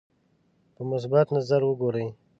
په مثبت نظر وګوري.